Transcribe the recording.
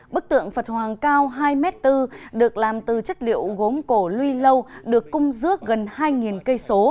bức tượng phật hoàng cao hai m bốn được làm từ chất liệu gốm cổ luy lâu được cung dước gần hai km